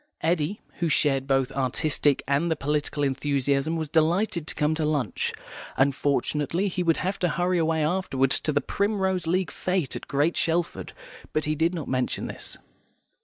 Eddy, who shared both the artistic and the political enthusiasm, was delighted to come to lunch. Unfortunately he would have to hurry away afterwards to the Primrose League Fête at Great Shelford, but he did not mention this.